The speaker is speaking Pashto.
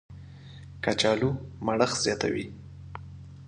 کچالو مړښت زیاتوي